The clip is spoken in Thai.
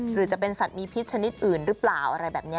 หรือจะเป็นสัตว์มีพิษชนิดอื่นหรือเปล่าอะไรแบบนี้